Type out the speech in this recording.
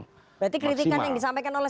berarti kritikan yang disampaikan oleh